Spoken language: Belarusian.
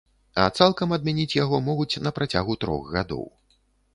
А цалкам адмяніць яго могуць на працягу трох гадоў.